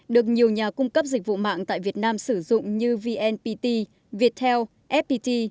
được nhiều nhà cung cấp dịch vụ mạng tại việt nam sử dụng như vnpt viettel fpt